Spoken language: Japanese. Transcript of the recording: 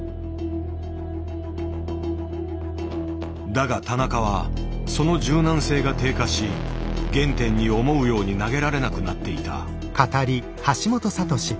だが田中はその柔軟性が低下し原点に思うように投げられなくなっていた。